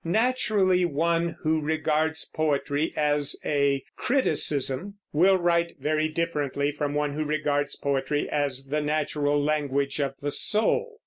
Naturally, one who regards poetry as a "criticism" will write very differently from one who regards poetry as the natural language of the soul.